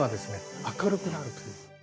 明るくなるという。